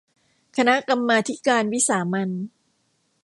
คณะกรรมาธิการวิสามัญ